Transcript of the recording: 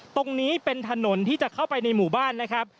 ตรงนี้เป็นถนนที่จะเข้าไปในหมู่บ้านนะครับ